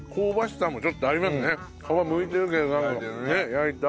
皮むいてるけど焼いた。